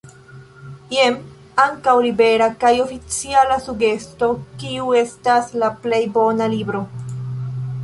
Jen ankaŭ libera kaj oficiala sugesto kiu estas “la plej bona libro”.